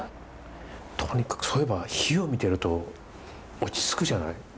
とにかくそういえば火を見てると落ち着くじゃない？